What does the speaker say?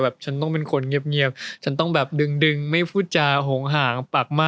แบบฉันต้องเป็นคนเงียบฉันต้องแบบดึงไม่พูดจาหม